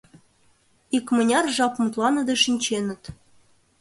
Икмыняр жап мутланыде шинченыт.